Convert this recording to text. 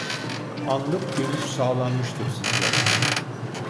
Anlık dönüş sağlanmıştır sizlere